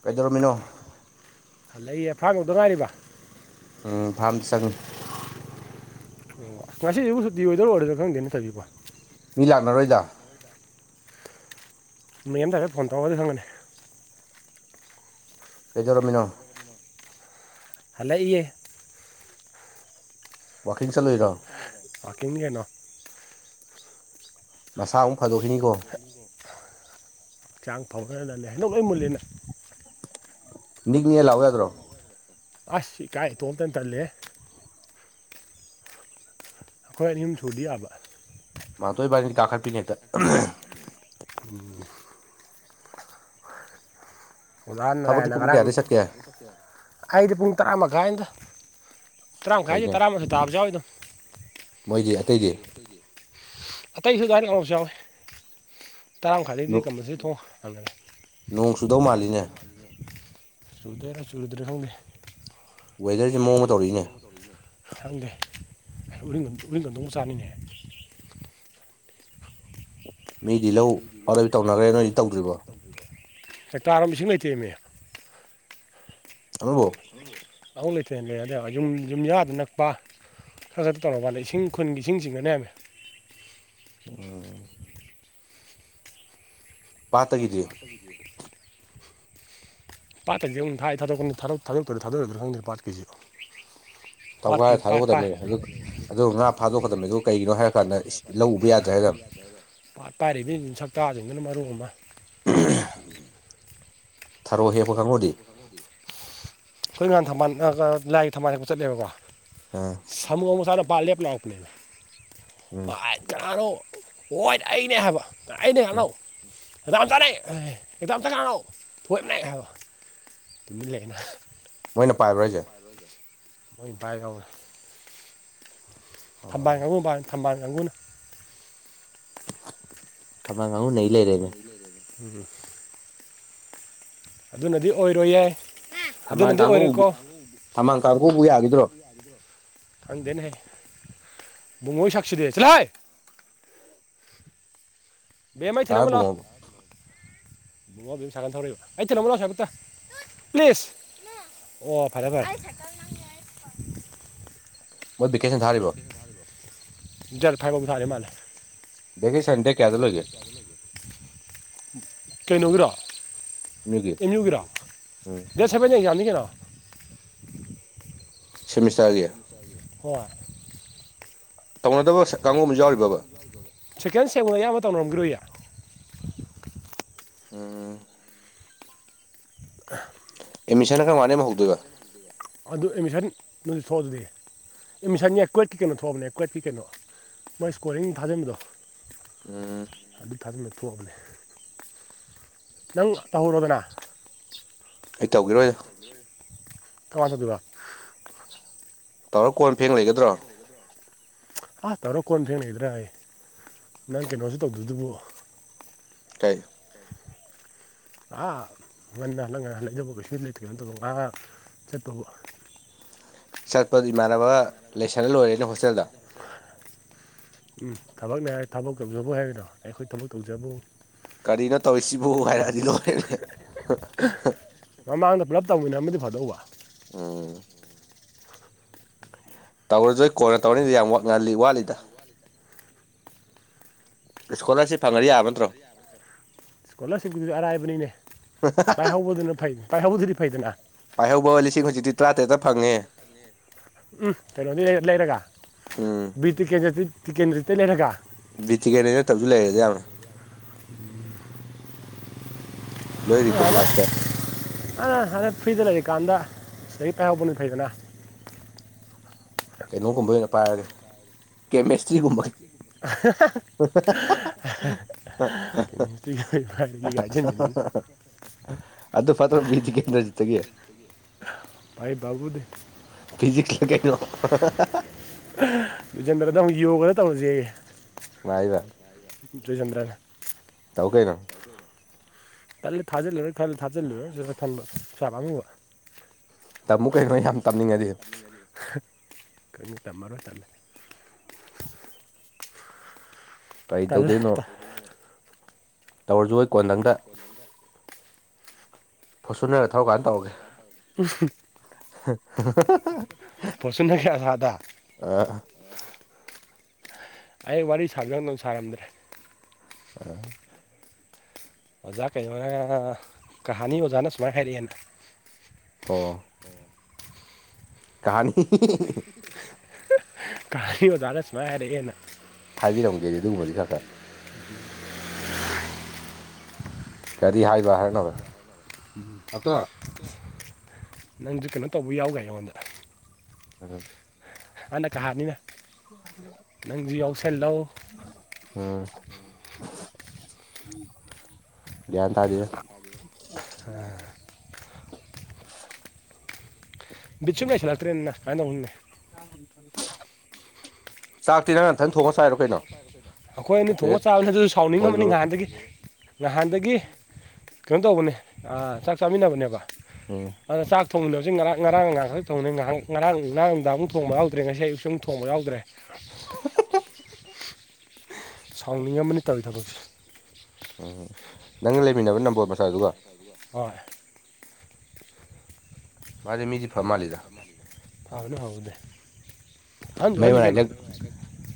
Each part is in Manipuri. ꯀꯩꯗꯧꯔꯝꯃꯤꯅꯣ ꯂꯩ ꯊꯥꯡꯉꯧꯗ ꯉꯥꯏꯔꯤꯕ ꯎꯝ ꯊꯝꯁꯪ ꯑꯣ ꯉꯁꯤꯕꯨ ꯁꯨꯤ ꯑꯣꯏꯗꯧ ꯑꯣꯏꯔꯣꯏꯗꯥ ꯈꯪꯗꯦꯅꯦ ꯊꯕꯤꯕꯣ ꯃꯤ ꯂꯥꯛꯅꯔꯣꯏꯗ ꯃꯌ ꯑꯃꯗꯥꯏꯔꯦ ꯐꯣꯟ ꯇꯧꯒꯗꯤ ꯈꯪꯒꯅꯤ ꯀꯩꯗꯧꯔꯝꯃꯤꯅꯣ ꯍꯂꯦ ꯏꯦ ꯋꯥꯀꯤꯡ ꯆꯠꯂꯨꯏꯔꯣ ꯑꯥꯀꯤꯦꯅꯤ ꯀꯅꯥ ꯃꯁꯥ ꯑꯃꯨꯛ ꯐꯗꯣꯛꯈꯤꯅꯤꯀꯣ ꯍꯛꯆꯥꯡ ꯐꯕ ꯈꯔꯅꯂꯦ ꯍꯟꯗꯣꯛ ꯂꯣꯏ ꯃꯨꯂꯦꯅ ꯃꯤꯅꯤ ꯃꯤ ꯂꯑꯣ ꯌꯥꯗ꯭ꯔꯣ ꯑꯁ ꯀꯥꯏ ꯇꯣꯝꯇꯅ ꯇꯜꯂꯦ ꯑꯩꯈꯣꯏ ꯑꯅꯤꯨꯝ ꯁꯨꯗꯤ ꯌꯥꯕ ꯃꯥꯥꯟꯇꯣꯏꯕꯥꯅꯤ ꯀꯥꯈꯠꯄꯤꯅꯦ ꯍꯦꯛꯇ ꯊꯕꯛꯇꯤ ꯑꯣꯖꯥꯅꯔꯥꯏꯅ ꯄꯨꯡ ꯉꯔꯥꯡ ꯀꯌꯥꯗꯩ ꯆꯠꯀꯦ ꯑꯩꯗꯤ ꯄꯨꯡ ꯇꯔꯥ ꯃꯈꯥꯏꯗ ꯇꯔꯥꯃꯥꯏ ꯍꯥꯏꯖꯦ ꯐꯩꯅꯦ ꯇꯔꯥꯃ ꯇꯥꯕꯖꯎꯗꯣ ꯃꯣꯏꯗꯤ ꯑꯇꯩꯗꯤ ꯑꯇꯩꯁꯨ ꯑꯗꯨꯋꯥꯏꯅ ꯉꯔꯕꯁꯨ ꯌꯥꯎꯋꯤ ꯇꯔꯥꯃ ꯃꯈꯥꯏꯗꯗꯒꯤꯗꯤ ꯀꯝꯕꯜꯁꯤ ꯊꯣꯡꯉ ꯍꯪꯉꯒꯦ ꯅꯣꯡ ꯆꯨꯗꯧ ꯃꯥꯜꯂꯤꯅꯦ ꯆꯨꯗꯔ ꯆꯨꯨꯔꯗ꯭ꯔꯁꯨꯦ ꯋꯦꯗꯔꯁꯦ ꯃꯑꯣꯡ ꯑꯃ ꯇꯧꯔꯛꯏꯅꯦ ꯈꯪꯗꯦ ꯎ ꯎꯔꯤꯒꯟꯗꯧ ꯑꯃ ꯆꯥꯅꯤꯡꯉꯦ ꯃꯤꯗꯤ ꯂꯧ ꯑꯣꯗꯣꯏ ꯇꯧꯅꯔꯦ ꯅꯣꯏꯗꯤ ꯇꯧꯗ꯭ꯔꯤꯕꯣ ꯆꯥꯛꯇꯥꯥꯔꯃꯤꯁꯨ ꯂꯩꯇꯦꯃꯦ ꯑꯃꯕꯨꯣ ꯑꯛ ꯂꯩꯇꯦꯅ ꯂꯩ ꯑꯗꯩ ꯌꯨꯝ ꯌꯨꯝꯌꯥꯗ ꯅꯛꯄ ꯈꯔ ꯁꯗ ꯇꯧꯔꯀꯂꯦ ꯏꯁꯤꯡ ꯈꯨꯟꯒꯤ ꯏꯁꯤꯡ ꯆꯤꯡꯒꯅꯤ ꯍꯥꯏꯃꯦ ꯑꯣ ꯄꯥꯇ ꯀꯗꯤ ꯄꯥꯠ ꯀꯦꯁꯤ ꯑꯃꯨꯛ ꯊꯥ ꯊꯥꯗꯣꯛꯀꯅꯤ ꯊꯥꯗꯣꯛꯇꯣꯏꯔꯥ ꯊꯥꯗꯣꯛꯣꯏꯔꯥ ꯈꯪꯗ꯭ꯔꯦ ꯄꯥꯠ ꯀꯦꯖꯤꯣ ꯇꯧꯒꯥꯏꯔ ꯊꯥꯗꯣꯛꯀꯗꯕꯅꯤ ꯑꯗꯨ ꯑꯗꯨ ꯉꯥ ꯐꯥꯗꯣꯛꯀꯗꯕꯅꯤ ꯑꯗꯨ ꯀꯩꯒꯤꯅꯣ ꯍꯥꯏꯔ ꯀꯥꯟꯗ ꯂꯧ ꯎꯕ ꯌꯥꯗ꯭ꯔꯦ ꯍꯥꯏꯗ ꯄꯥꯠ ꯄꯥꯏꯔꯤꯕ ꯁꯛꯇꯥꯁꯤꯡꯗꯨꯅ ꯃꯔꯨ ꯑꯃ ꯊꯔꯣ ꯍꯦꯄ ꯈꯉꯨꯗꯤ ꯑꯩꯈꯣꯏꯥꯟ ꯊꯝꯕꯥꯜ ꯂꯥꯏꯒꯤ ꯊꯝꯕꯥꯜꯁꯦ ꯆꯠꯂꯦꯕꯀꯣ ꯑ ꯁꯥꯃꯨ ꯑꯃꯨꯄ ꯕꯥꯜ ꯂꯦꯞ ꯂꯥꯛꯄꯅꯦꯅ ꯎꯝ ꯅꯥꯔꯣ ꯍꯣꯏ ꯑꯩꯅꯦ ꯍꯥꯏꯕ ꯑꯩꯅꯦ ꯎꯝ ꯍꯜꯂꯣ ꯍꯗꯥ ꯑꯝꯇꯔ ꯍꯦꯛꯇ ꯑꯝꯇ ꯀꯥꯟꯅꯛ ꯐꯣꯏꯅ ꯍꯥꯏꯕ ꯇꯃꯤ ꯂꯩꯅ ꯃꯣꯏꯅ ꯄꯥꯏꯕ꯭ꯔꯣ ꯍꯥꯏꯁꯦ ꯄꯥꯏꯒ ꯊꯝꯕꯥꯜ ꯑꯣ ꯀꯥꯡꯕꯨ ꯊꯝꯕꯥꯜ ꯀꯥꯡꯕꯨꯅ ꯊ ꯉ ꯍꯨ ꯅ ꯂꯩꯃꯦ ꯎ ꯑꯗꯨꯅꯗꯤ ꯑꯣꯏꯔꯣꯏ ꯌꯥꯏ ꯊꯝꯃꯜ ꯀꯥꯡꯕꯨ ꯊꯝꯃꯜ ꯀꯥꯡꯕꯨꯨꯕꯨ ꯌꯥꯈꯤꯗ꯭ꯔꯣ ꯈꯪꯗꯦꯅꯦꯍꯦ ꯉꯑꯣ ꯁꯥꯛꯁꯤꯗꯦ ꯁꯤꯂꯥꯏ [unintelligible] ꯃꯥꯏꯊꯤꯂꯕꯨꯣ ꯇꯥꯔ ꯂꯣ ꯄꯨꯡꯉꯣꯕ ꯕꯕꯝ ꯁꯥꯒꯅ ꯊꯧꯕ ꯑꯩ ꯊꯅ ꯂꯥꯎꯁꯀꯠꯇ ꯄ꯭ꯂꯤꯖ ꯑꯣ ꯐꯔꯦ ꯐꯔꯦ [inaudible] ꯃꯣꯏ ꯦꯀꯦꯁꯟ ꯊꯥꯔꯔꯤꯕ ꯖꯜꯐꯥꯏ ꯀꯕ ꯁꯔꯦ ꯃꯜ ꯚꯦꯀꯦꯁꯟ ꯗꯦꯠ ꯀꯌꯥꯗ ꯂꯣꯏꯒꯦ ꯀꯩꯅꯣꯒꯤꯔꯣ ꯑꯦꯝꯌꯨꯒꯤ ꯑꯦꯝ ꯌꯨꯒꯤꯔꯣ ꯎꯝ ꯗ ꯁꯦꯕ ꯌꯦꯡ ꯌꯥꯅꯤ ꯀꯩꯅꯣ [inaudible] ꯁꯤꯃꯤꯁꯥꯒ ꯀ ꯇꯧꯅꯗꯕ ꯀꯥꯡꯕꯨꯁꯨ ꯌꯥꯎꯔꯤꯕꯕ ꯁꯦꯀꯦꯟ ꯁꯦꯡꯕꯅ ꯑꯌꯥꯝꯕ ꯇꯧꯅꯔꯝꯈꯤꯔꯣꯏꯌꯦ ꯎꯝ ꯑꯦꯠꯃꯤꯁꯟ ꯈꯔ ꯃꯅ ꯑꯃ ꯍꯧꯗꯣꯏꯕ ꯑꯗꯨ ꯑꯦꯃꯤꯁꯟ ꯅꯗꯤ ꯊꯣꯛꯑ ꯑꯗꯨꯗꯤ ꯑꯦꯃꯤꯁꯟꯁ ꯀ꯭ꯋꯦꯠꯀꯤ ꯀꯩꯅꯣ ꯊꯣꯛꯑꯕꯅꯦ ꯀ꯭ꯋꯠꯀꯤ ꯀꯩꯅꯣ ꯃꯣꯏ ꯏꯁꯀꯣꯔꯤꯡ ꯊꯥꯖꯤꯟꯕꯗꯣ ꯑꯝ ꯊꯥꯖꯟ ꯊꯣꯛꯑꯕꯅꯦ ꯅꯪ ꯇꯧꯍꯧꯔꯣꯗꯅ ꯑꯩ ꯇꯧꯈꯤꯔꯣꯏꯗ ꯊꯃ ꯆ ꯑꯗꯨꯔ ꯇꯥꯎꯔꯣ ꯀꯣꯟ ꯐꯦꯡ ꯂꯩꯒꯗ꯭ꯔꯣ ꯑꯥ ꯇꯧꯔꯣ ꯀꯣꯟ ꯐꯦꯡ ꯂꯩꯗ꯭ꯔꯥ ꯍꯥꯏ ꯅꯪ ꯀꯩꯅꯣꯁꯨ ꯇꯧꯗꯣꯏꯗꯨꯕꯨ ꯇꯥꯏ ꯑꯥ ꯉꯟꯅ ꯍꯜꯂꯛꯍ ꯂꯩꯖꯕ ꯀꯩꯁ ꯂꯩꯇꯦꯅ ꯇ ꯑ ꯆꯠꯠꯇꯧꯕ ꯆꯠꯄꯗ ꯏꯃꯥꯟꯅꯕ ꯂꯩꯁꯜꯂ ꯂꯣꯏꯔꯦꯅꯦ ꯍꯣꯁꯇꯦꯜꯗ ꯎꯝ ꯊꯕꯛꯅꯦ ꯊꯕꯛ ꯇꯧꯖꯕ ꯍꯥꯏꯔꯤꯅꯣ ꯑꯩꯈꯣꯏ ꯊꯕꯛ ꯇꯧꯖꯕ ꯀꯔꯤꯅꯣ ꯇꯧꯔꯤꯁꯤꯕꯨ ꯍꯥꯏꯔꯛꯑꯗꯤ ꯂꯣꯏꯔꯦꯅꯦ ꯃꯝꯕꯗ ꯄꯨꯂꯞ ꯇꯧꯃꯤꯟꯅ ꯑꯃꯗꯤ ꯐꯗꯣꯛꯎꯧꯕ ꯑꯝ ꯇꯧꯔꯖꯣꯏ ꯀꯣꯟꯅ ꯇꯧꯔꯅꯤꯗ ꯌꯥꯝ ꯋꯥ ꯉꯜꯂꯤ ꯋꯥꯠꯂꯤꯗ ꯏꯁꯀꯣꯂꯥꯔꯁꯤꯞ ꯐꯪꯉꯗꯤ ꯌꯥꯕ ꯅꯠꯇ꯭ꯔꯣ ꯏꯁꯀꯣꯂꯥꯔꯁꯤꯞꯀꯤꯨꯗꯤ ꯑꯔꯥꯏꯕꯅꯤꯅꯦ ꯄꯥꯏꯍꯧꯕꯗꯨꯅ ꯐꯩ ꯄꯥꯏꯍꯧꯕꯗꯨꯗꯤ ꯐꯩꯗꯅ ꯍꯩꯍꯧꯕ ꯂꯤꯁꯤꯡ ꯍꯆꯤ ꯇꯔꯥꯇꯔꯦꯠꯇ ꯐꯪꯉꯦ ꯎꯝ ꯀꯩꯅꯣꯗꯒꯤ ꯂꯩꯔꯒ ꯎꯝ ꯕꯤ ꯇꯤ ꯇꯤ ꯀꯦꯟꯗ꯭ꯔꯠꯇ ꯂꯩꯔꯒ ꯕꯤꯠꯇ ꯀꯦꯅꯦꯅꯦ ꯇꯁꯨ ꯂꯩꯔꯗꯦ ꯌꯥꯝꯅ ꯂꯣꯏ ꯔꯤꯀꯣꯛꯅꯥꯏꯁꯇ ꯂ ꯑ ꯍꯥꯏ ꯐ꯭ꯔꯤꯗ ꯂꯩꯔꯤꯀꯥꯟꯗ ꯂꯥꯏꯔꯤꯛ ꯄꯥꯏꯍꯧꯕꯅꯤ ꯐꯩꯗꯅ ꯀꯩꯅꯣꯒꯨꯝꯕ ꯑꯣꯏꯅ ꯄꯥꯏꯔꯒꯦ ꯀꯦꯃꯦꯁꯇ꯭ꯔꯤꯒꯨꯝꯕꯒꯤ [inaudible] ꯑꯣꯏꯖꯦꯟ [unintelligible] ꯑꯗꯨꯗ ꯐꯇ꯭ꯔ ꯤꯗꯤ ꯀꯗꯖꯇꯒꯤ ꯇꯥꯏ ꯕꯨꯨꯗꯤ ꯐꯤꯖꯤꯛ ꯂ ꯀꯩꯩꯅ ꯟꯗꯗ ꯑꯃꯨꯛ ꯌꯣꯒꯗ ꯇꯧꯔꯁꯦ ꯥꯏꯕ ꯖꯦꯟꯗ꯭ꯔꯅ ꯇꯧ ꯀꯥꯏꯅ ꯀꯠꯂ ꯊꯥꯖꯤꯜꯂꯨꯔꯣꯏ ꯈꯜꯂ ꯊꯥꯖꯤꯜꯂꯨꯔꯣꯏ ꯁꯤꯂ ꯊꯟꯕ ꯄꯩꯁꯥ ꯄꯥꯉꯨꯕ ꯇꯥꯃꯨꯛ ꯀꯩꯩꯅꯣ ꯌꯥꯝ ꯇꯝꯅꯤꯡꯉꯗꯤ ꯀꯩꯅꫭ ꯇꯝꯑꯔꯣꯏ ꯇꯜꯂꯦ꯫ ꯀꯔꯤ ꯇꯜꯂꯦ ꯇꯧꯗꯣꯏꯅꯣ꯫ ꯇ- ꯇꯧꯔꯁꯨ ꯑꯩ ꯀꯣꯟꯗꯪꯗ ꯐꯣꯠꯁꯨꯟꯅꯔ ꯊꯧꯔꯀꯥꯟꯗ ꯇꯧꯔꯒꯦ꯫ ꯎꯝꯍ [unintelligible] ꯐꫭꯆꯨꯅꯔꯏꯑꯁꯥꯗ ꯑ ꯑꯩ ꯋꯥꯔꯤ ꯁꯥꯖꯟ ꯅꯡꯁꯥꯔꯝꯗ꯭ꯔꯦ꯫ ꯑ ꯑꯣꯖꯥ ꯀꯩꯅꫭꯅ ꯀꯍꯥꯅꯤ ꯑꯣꯖꯥꯅ ꯁꯨꯃꯥꯏꯅ ꯍꯥꯏꯔꯛꯑꯦꯅ꯫ ꯑꯣ ꯀꯍꯥꯅꯤ ꯀꯍꯥꯅꯤ ꯑꫭꯖꯥꯅ ꯁꯨꯃꯥꯏ ꯍꯥꯏꯔꯛꯑꯩꯅ꯫ ꯍꯥꯏꯕꯤꯔꯝꯒꯦꯗꯤ ꯑꯗꯨꯒꯨꯝꯕꯗꯤ ꯈꯔ ꯈꯔ꯫ ꯀꯔꯤ ꯍꯥꯏꯕ ꯍꯥꯏꯅꯕ꯭ꯔ꯫ ꯅꯪꯗꯤ ꯀꯩꯅꯣ ꯇꯧꯕ ꯌꯥꯎꯒꯦ ꯑꯩꯉꯣꯟꯗ꯫ ꯎꯝ ꯑꯅ ꯀꯍꯥꯅꯤꯅ꯫ ꯅꯪꯁꯨ ꯌꯥꯎꯁꯜꯂꯧ [unintelligible] ꯎꯝ ꯒ꯭ꯌꯥꯟ ꯇꯥꯗꯦꯗ [unintelligible] [unintelligible] ꯕꯤꯠ ꯁꯨꯝ ꯂꯩꯁꯤꯜꯂꯛꯇ꯭ꯔꯦꯅ ꯀꯥꯏꯅꫭꯝꯑꯅꯦ꯫ ꯆꯥꯛꯇꯤ ꯅꯪ ꯅꯊꯟ ꯊꯣꯡꯑ ꯆꯥꯏꯔꯣ ꯀꯩꯅꯣ꯫ ꯑꯈꯣꯏ ꯑꯅꯤ ꯊꯣꯡꯑ ꯅꯠꯇꯦꯗ ꯆꯥꯕꯅꯤ ꯑꯗꯨꯁꯨ ꯊꯣꯏꯕ ꯁꯥꯎꯅꯤꯡꯉꯝꯕꯅꯤ ꯉꯍꯥꯟꯗꯒꯤ ꯉꯍꯥꯟꯗꯒꯤ ꯀꯩꯅꯣ ꯇꯧꯕꯅꯦ ꯑ ꯆꯥꯛ ꯆꯥꯃꯤꯟꯅꯕꯅꯦꯕ ꯎꯝ ꯑꯗ ꯆꯥꯛ ꯊꯣꯡꯃꯤꯟꯅꯕꯁꯤ ꯉꯔꯥꯡ ꯉꯔꯥꯡ ꯉꯍꯥꯟ ꯈꯛ ꯊꯣꯡꯃꯤꯅꯤ ꯉꯥꯏꯍꯥꯛ ꯉꯔꯥꯡ ꯉꯔꯥꯡ ꯅꯨꯡꯗꯥꯡ ꯑꯃꯨꯛ ꯊꯣꯡꯕ ꯌꯥꯎꯗ꯭ꯔꯦ ꯉꯁꯤ ꯑꯌꯨꯛ ꯑꯃꯨꯛ ꯊꯣꯡꯕ ꯌꯥꯎꯗ꯭ꯔꯦ꯫ [unintelligible] ꯁꯥꯎꯅꯤꯡꯑꯝꯑꯅꯤ ꯇꯧꯋꯔꯤ ꯊꯕꯛꯁꯦ꯫ ꯎꯝ ꯅꯪꯅ ꯂꯩꯃꯤꯟꯅꯕ ꯅꯝꯕꯣꯜ ꯃꯆꯥꯗꯨꯒ꯫ ꯍꯣꯏ꯫ ꯃꯥꯗꯤ ꯃꯤꯗꯤ ꯐ ꯃꯥꯂꯤꯗ꯫ ꯐꯕꯅꯦ ꯐꯕꯨꯗꯤ ꯍꯟꯁꯨ ꯃꯩ ꯑꯍꯟꯅꯤ ꯃꯅꯥꯏ ꯀꯩꯅꯣ꯫ ꯂꯦꯛ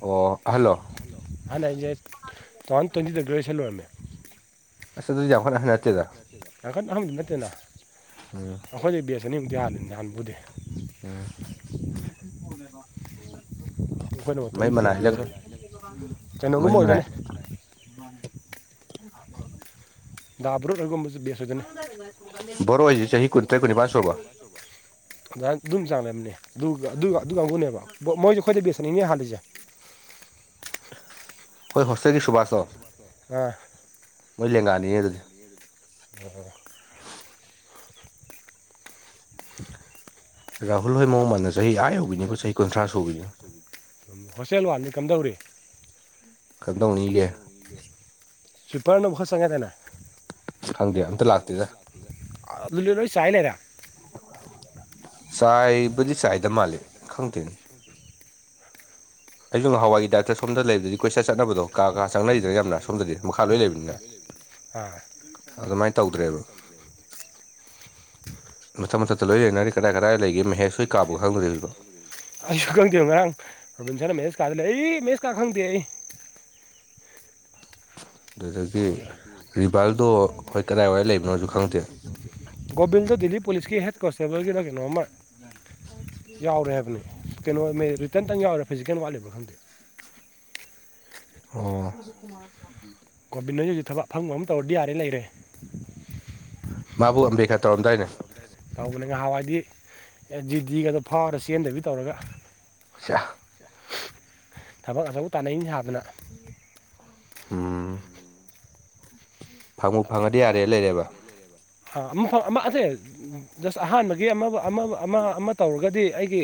ꯑꯣ ꯑꯍꯜꯂꯣ ꯍꯟ ꯍꯥꯏꯁꯦ ꯇꯨꯋꯥꯟ ꯇ꯭ꯋꯦꯟꯇꯤꯗ ꯒ꯭ꯔꯦꯖꯨꯌꯦꯁꯟ ꯑꯣꯏꯔꯃꯦ꯫ ꯑꯁ ꯑꯗꯨꯗꯤ ꯌꯥꯝ ꯀꯟꯅ ꯍꯟꯅ ꯌꯥꯡꯈꯠ ꯈꯪꯗꯤ ꯅꯠꯇꯦꯅ ꯑꯩꯈꯣꯏꯗ ꯕꯦꯁ ꯑꯅꯤꯃꯨꯛꯇꯤ ꯍꯟꯅꯦ ꯍꯥꯟꯕꯨꯗꯤ꯫ ꯑꯩꯈꯣꯏꯅ [inaudible] ꯃꯩ ꯇ꯭ꯋꯦꯟꯇꯤꯗ ꯃꯅꯥꯏ ꯂꯪ ꯒ꯭ꯔꯦꯖꯨꯑꯦꯁꯟ ꯃꯩ ꯀꯩꯅꯣꯒꯨꯝꯕ ꯃꯅꯥꯏ ꯑꯣꯏꯗꯣꯏꯅꯦ [unintelligible] ꯗꯥ ꯕꯔꯨꯠ ꯑꯣꯏꯒꯨꯝꯕꯁꯨ ꯕꯦꯁ ꯑꯣꯏꯒꯅꯤ꯫ ꯕꯣꯔꯣ ꯑꯣꯏꯁꯤ ꯆꯍꯤ ꯀꯨꯟ ꯇ꯭ꯔꯦꯠ ꯀꯨꯅꯤꯕꯥ ꯁꯨꯔꯕꫭ꯫ ꯑꯗꯨꯝ ꯆꯥꯡ ꯂꯩꯔꯝꯅꯤ꯫ ꯑꯗꯨꯒ ꯑꯗꯨ ꯀꯥꯡꯕꯨꯅꯦꯕ ꯃꯣꯏꯁꯨ ꯑꯈꯣꯏꯗ ꯕꯦꯁ ꯑꯅꯤꯅꯤ ꯍꯥꯜꯂꯤꯁꯦ꯫ ꯍꯣꯏ ꯍꫭꯁꯇꯦꯜꯒꯤ ꯁꯨꯕꯥꯁꯇꫭ꯫ ꯑ ꯃꯣꯏ ꯂꯦꯡꯒꯥꯅꯤ ꯑꯗꯨꯗꯤ꯫ ꯑꯣ [unintelligible] ꯔꯥꯍꯨꯜ ꯍꯣꯏ ꯃꯑꫭꯡ ꯃꯥꯟꯅ ꯆꯍꯤ ꯑꯥ ꯌꯧꯕꯤꯅꯤ ꯆꯍꯤ ꯀꯨꯟꯊ꯭ꯔꯥ ꯁꯈꯤꯕꯅꯤ꯫ ꯎ ꯍꯣꯁꯇꯦꯜ ꯋꯥꯟꯗꯤ ꯀꯝꯗꯧꯔꯤ꯫ ꯀꯝꯗꯧꯅꯤꯒꯦ꯫ ꯁꯨꯄꯔꯅ [unintelligible] ꯃꯈꯈꯣꯏ ꯁꯪꯒꯦꯗꯅ ꯈꯪꯗꯦ ꯑꯝꯇ ꯂꯥꯛꯇꯦꯗ ꯑꯗꯨ ꯆꯥꯢꯔꯒ ꯂꯩꯔꯦ ꯆꯥꯏꯕꯨꯗꯤ ꯆꯥꯏꯗ ꯃꯥꯜꯂꯤꯦ ꯈꯪꯗꯦꯅꯦ ꯑꯩꯁꯨ ꯉꯍꯋꯥꯒꯤ ꯗꯥꯛꯇꯔ ꯁꯣꯝꯗ ꯂꯩꯕꯗꯨꯗꯤ ꯀꯣꯏꯁꯠ ꯆꯠꯅꯕꯗꯣ ꯀꯥ ꯀꯥ ꯆꯪꯅꯔꯤꯗꯅ ꯌꯥꯝꯅ ꯁꯣꯝꯗꯗꯤ ꯃꯈꯥ ꯂꯣꯏ ꯂꯩꯕꯅꯤꯅ ꯑꯥ ꯑꯗꯨꯃꯥꯏꯅ ꯇꯧꯗ꯭ꯔꯦꯕ ꯃꯊꯪ ꯃꯊꯛꯇ ꯂꯣꯏ ꯂꯩꯅꯔꯤ ꯀꯗꯥꯏ ꯀꯗꯥꯏ ꯂꯩꯒꯦ ꯃꯍꯦꯁ ꯁꯣꯏ ꯀꯥꯕꯒ ꯈꯪꯗꯣꯕꯣ ꯑꯩꯁꯨ ꯈꯪꯗꯦꯕ ꯉꯔꯥꯡ ꯀ ꯀꯥ ꯈꯪꯗꯦ ꯑꯩ ꯑꯗꯨꯗꯒꯤ ꯇꯧꯔꯒ ꯔꯤꯚꯜꯗꯣ ꯍꯣꯏ ꯀꯗꯥꯏꯋꯥꯏ ꯂꯩꯕꯅꯣꯁꯨ ꯈꯪꯗꯦ ꯣꯕꯤꯗ ꯗꯗꯤꯜꯂꯤꯤ ꯄꯂꯤꯁꯀꯤ ꯍꯦꯠ ꯀꯁꯦꯕ ꯀ ꯂ ꯀꯩꯅꯣ ꯑꯃꯥ ꯀꯩꯅꯣ ꯃꯦ- ꯔꯤꯇꯟꯇꯪ ꯌꯥꯎꯔꯦ ꯐꯤꯖꯤꯀꯦꯜ ꯋꯥꯠꯂꯤꯕ꯭ꯔꯥ ꯈꯪꯗꯦ [inaudible] ꯑ ꯒꯣꯔꯃꯦꯟꯅꯁꯨ ꯍꯧꯖꯤꯛ ꯊꯕꯛ ꯐꯪꯕ ꯑꯃ ꯇꯧꯔꯗꯤ ꯌꯥꯔꯦ ꯂꯩꯔꯦ ꯃꯥꯕꯨ ꯑꯝꯕꯦꯀꯥꯔ ꯇꯧꯔꯝꯗꯥꯏꯅꯦ ꯇꯧꯕꯅꯦ ꯉꯍꯥꯟꯋꯥꯏꯗꯤ ꯖꯤ ꯗꯤꯒꯗꯣ ꯐꯥꯎꯔ ꯆꯦꯟꯗꯕꯤ ꯇꯧꯔꯒ ꯁ ꯊꯕꯛ ꯑꯆꯧꯕ ꯇꯥꯅꯩ ꯁꯥꯗꯅ ꯎꯝ ꯐꯪꯉꯨ ꯐꯪꯉꯗꯤ ꯌꯥꯔꯦ ꯂꯩꯔꯦꯕ ꯑꯃ ꯑꯁꯦ ꯖꯁ ꯑꯍꯥꯟꯕꯒꯤ ꯑꯃ ꯑꯃ ꯑꯃ ꯑꯃ ꯇꯧꯔꯒꯗꯤ ꯑꯩꯒꯤ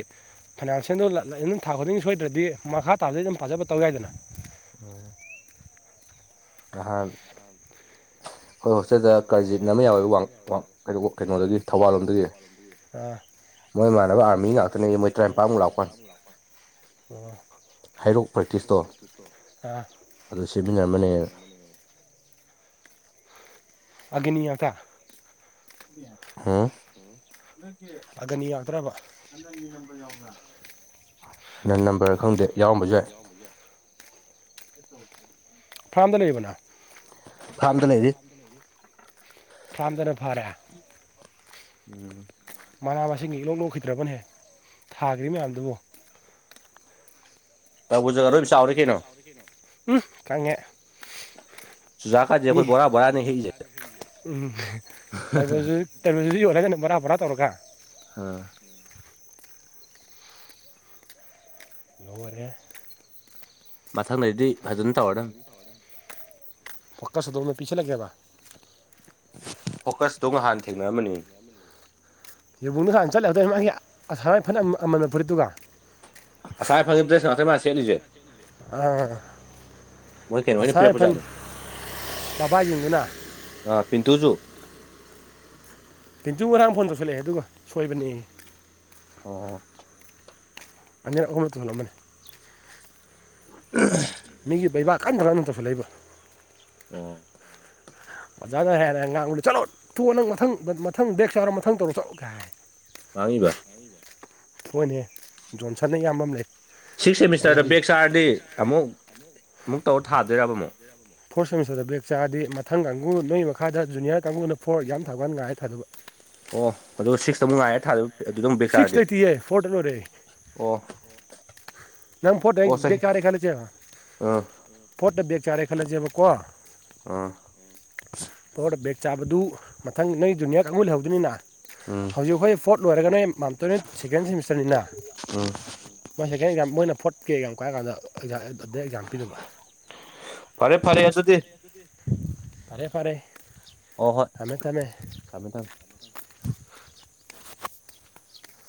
ꯐꯥꯏꯅꯥꯟꯁꯤꯌꯦꯜꯗꯣ ꯑꯗꯨꯝ ꯊꯥ ꯈꯨꯗꯤꯡꯒꯤ ꯁꯣꯏꯗ꯭ꯔꯗꯤ ꯃꯈꯥ ꯇꯥꯕꯗꯗꯤ ꯑꯗꯨꯝ ꯐꯖꯕ ꯇꯧ ꯌꯥꯏꯗꯅ ꯑꯣꯝ ꯑꯍ ꯑꯩꯈꯣꯏ ꯍꯣꯁꯇꯦꯜꯗ ꯀꯥꯔꯖꯤꯟ ꯑꯃ ꯌꯥꯎꯋꯦꯕ ꯀ ꯀꯩꯅꯣꯗꯒꯤ ꯊꯧꯕꯥꯜ ꯂꯣꯝꯗꯒꯤ ꯃꯣꯏ ꯃꯥꯟꯅꯕ ꯅꯣꯏ ꯑꯥꯔꯃꯤ ꯃꯥꯟꯅꯕ ꯑ ꯉꯥꯛꯇꯅꯦ ꯃꯣꯏ ꯇꯔꯥꯅꯤꯄꯥꯟꯃꯨꯛ ꯂꯥꯛꯇꯅꯤꯄꯥ ꯂꯥꯛꯄ ꯍꯩꯔꯣꯛ ꯄ꯭ꯔꯦꯛꯇꯤꯁꯇꯣ ꯑꯣ ꯑꯗꯨ ꯁꯦꯝꯃꯤꯟꯅꯔꯝꯕꯅꯦ ꯑꯒꯅꯤ ꯉꯥꯛꯇ ꯑꯒꯅꯤ ꯉꯥꯛꯇ꯭ꯔꯕ ꯍꯗꯪꯒꯤ ꯅꯝꯕ ꯌꯥꯎꯕ꯭ꯔꯥ ꯅꯟ ꯅꯝꯕꯔ ꯈꯪꯗꯦ ꯌꯥꯎꯔꯝꯕꯁꯨ ꯌꯥꯏ ꯦ [inaudible] [unintelligible] ꯐꯥꯔꯝꯗ ꯂꯩꯔꯤꯕꯔꯣ ꯅꯪ ꯐꯤꯉꯝ ꯗ ꯂꯩꯔꯤ ꯐꯥꯔꯝꯗꯅ ꯐꯔꯦ ꯎꯝ ꯃꯅꯥ ꯃꯁꯤꯡꯒꯤ ꯏꯂꯣꯛ ꯂꯣꯛꯈꯤꯗ꯭ꯔꯕꯅꯦꯍ ꯊꯥꯈ꯭ꯔꯤ ꯃꯌꯥꯝꯗꯨꯕꯨ ꯇꯕꯨꯖ ꯂꯣꯏꯝ ꯆꯥꯎꯔꯤ ꯀꯩꯅꯣ ꯎꯝ ꯈꯪꯉꯦ [inaudible] ꯆꯨꯖꯥꯛꯀꯥꯁꯦ ꯃꯤ ꯑꯩꯈꯣꯏ ꯕꯣꯔꯥ ꯕꯣꯔꯥꯅꯦ ꯍꯦꯛꯏꯁꯦ ꯎ [unintelligible] ꯕꯣꯔ ꯕꯣꯔꯥ ꯇꯧꯔꯒꯥ ꯑ ꯂꯣꯏꯔꯦ ꯃꯊꯪꯗꯗꯤ ꯐꯖꯅ ꯇꯧꯔ ꯅꯪ ꯄꯀꯥ ꯁꯗꯅ ꯄꯤꯆꯦ ꯂꯩꯒꯦꯗ ꯐꯣꯀꯁꯇꯣ ꯉꯍꯥꯟ ꯊꯦꯡꯅꯔꯝꯝꯕꯅꯤ ꯌꯕꯨꯡꯗꯨ ꯍꯥꯟꯅ ꯆꯠꯂꯗ ꯃꯥꯒꯤ ꯐ ꯑꯃꯕ ꯐꯨꯔꯤꯠꯇꯨꯒ ꯇꯥꯏ ꯐꯪꯉꯤ ꯗ꯭ꯔꯦꯁ ꯅ꯭ꯔꯩ ꯃꯥ ꯁꯦꯠꯂꯤꯁꯦ ꯑꯥ ꯃ ꯀꯩꯅꯣꯅꯤ ꯑꯁꯥ ꯔꯥꯏꯐꯟ ꯄꯤꯔꯦꯄꯨꯖꯥꯅꯤ ꯕꯕꯥ ꯌꯦꯡꯗꯨꯅ ꯑ ꯄꯤꯟꯇꯨꯖꯨ ꯨ ꯉꯔꯥꯡ ꯐꯣꯟ ꯇꯧꯁꯜꯂꯛꯑꯦ ꯑꯗꯨꯒ ꯁꯣꯏꯕꯅꯦ ꯑꯣ ꯑꯖꯦꯟ ꯈꯕꯔ ꯇꯂ ꯃꯅꯦ ꯃꯤꯒꯤ ꯄꯩꯕꯥꯛ ꯀꯟꯊꯅ ꯅꯊ ꯐ ꯂꯩꯕ ꯑꯣ ꯑꯣꯖꯥꯗ ꯍꯥꯏꯔ ꯉꯥꯡꯕꯨꯗꯤ ꯆꯠꯂꯣ ꯊꯨꯑꯣ ꯅꯪ ꯃꯊꯪ ꯃꯊꯪ ꯕꯦꯛ ꯆꯧꯔꯣ ꯃꯊꯪ ꯇꯧꯔꯣ ꯆꯠꯂꯣ ꯀ ꯍꯥꯏ ꯃꯉꯕ ꯍꯣꯏꯅꯦ ꯖꯣꯟꯁꯟꯅ ꯏꯌꯥꯝꯕ ꯑꯃ ꯂꯩꯇꯦ ꯁꯤꯛꯁ ꯁꯦꯃꯤꯁꯇꯔꯗ ꯕꯦꯛ ꯆꯥꯔꯗꯤ ꯑꯃꯨꯛ ꯑꯃꯨꯛ ꯇꯧꯔ ꯊꯥꯗꯣꯏꯕ ꯑꯃꯨꯛ ꯐꯣꯔ ꯁꯦꯃꯤꯁꯇꯔꯗ ꯕ꯭ꯔꯦꯛ ꯆꯥꯔꯗꯤ ꯃꯊꯪ ꯀꯥꯡꯕꯨ ꯅꯣꯏꯒꯤ ꯃꯈꯥꯗ ꯖꯨꯅꯤꯌꯔ ꯀꯥꯡꯕꯨꯅ ꯐꯣꯔ ꯌꯥꯝ ꯊꯥꯒꯜ ꯉꯥꯏ ꯊꯥꯗꯕ ꯑꯣ ꯑꯗꯨꯗꯣ ꯁꯤꯛꯁꯇꯨꯛ ꯉꯥꯏꯔꯦ ꯊꯥꯗ ꯑꯗꯨꯗ ꯍꯕꯦꯛ ꯁꯤꯛꯁ ꯆꯥꯔꯗꯤꯦ ꯂꯩꯇꯤꯌꯦ ꯐꯣꯔꯗ ꯂꯣꯏꯔꯦ ꯑꯣ ꯅꯪ ꯐꯣꯠꯇ ꯑꯣ ꯕꯒ ꯆꯍꯤ ꯆꯥꯔꯦ ꯈꯜꯂꯁꯦꯕ ꯑꯥ ꯄꯣꯠꯇ ꯕꯒ ꯆꯥꯔꯦ ꯈꯜꯂꯁꯦꯕꯀꯣ ꯑꯥ ꯑꯣ ꯕꯦꯛ ꯆꯥꯕꯗꯨ ꯃꯊꯪ ꯅꯪ ꯖꯨꯅꯤꯌꯥꯔ ꯀꯥꯡꯕꯨ ꯂꯩꯍꯧꯗꯅꯤꯅ ꯎꯝ ꯍꯧꯖꯤꯛ ꯑꯩꯈꯣꯏ ꯐꯣꯔꯠ ꯂꯣꯏꯔꯒ ꯅꯣꯏ ꯃꯝꯇꯣꯏꯅ ꯁꯦꯀꯦꯟ ꯁꯦꯃꯤꯁꯇꯔꯅꯤꯅ ꯎꯝ ꯃꯣꯏ ꯁ ꯃꯣꯏ ꯐ ꯀꯦꯛ ꯌꯥꯝ ꯀꯥꯏꯔ ꯀꯥꯟꯗ ꯑꯗꯩ ꯑꯦꯛꯖꯥꯝ ꯄꯤꯗꯕ ꯐꯔꯦ ꯐꯔꯦ ꯑꯗꯨꯗꯤ ꯐꯔꯦ ꯐꯔꯦ ꯑꯣ ꯍꯣꯏ ꯊꯝꯃꯦ ꯊꯝꯃꯦ ꯊꯝꯃꯦ ꯊꯝꯃꯦ